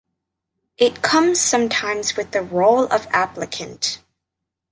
It comes sometimes with the role of applicant.